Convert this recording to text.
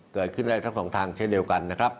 เกิดขึ้นได้ทั้งสองทางเช่นเดียวกันนะครับ